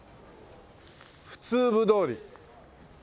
「普通部通り」ねっ。